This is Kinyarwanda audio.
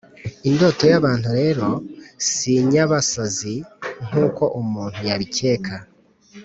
indoto y’abantu rero si inyabasazi nk’uko umuntu yabikeka